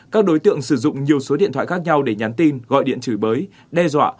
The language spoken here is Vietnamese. các đối tượng sử dụng nhiều số điện thoại khác nhau để nhắn tin gọi điện chửi bới đe dọa